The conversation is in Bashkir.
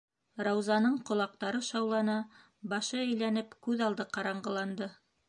- Раузаның ҡолаҡтары шауланы, башы әйләнеп, күҙ алды ҡараңғыланды.